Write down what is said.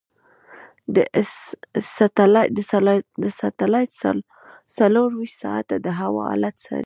دا سټلایټ څلورویشت ساعته د هوا حالت څاري.